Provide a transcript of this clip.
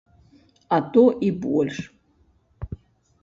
А то і больш.